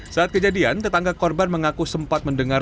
saat kejadian tetangga korban mengaku sempat mendengar